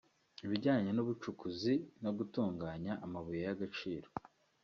ibijyanye n’ubucukuzi no gutunganya amabuye y’agaciro